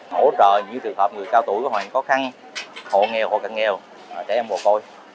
hỗ trợ những trường hợp người cao tuổi có hoàn cảnh khó khăn hộ nghèo hộ cận nghèo trẻ em bồ côi